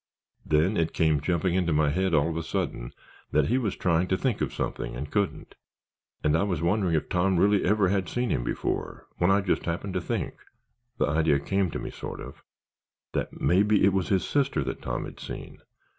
"Then it came jumping into my head all of a sudden that he was trying to think of something and couldn't. And I was wondering if Tom really ever had seen him before, when I just happened to think—the idea came to me, sort of—that maybe it was his sister that Tom had seen.